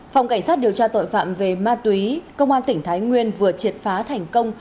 phòng cảnh sát điều tra tội phạm về ma túy công an tỉnh thái nguyên vừa triệt phá thành công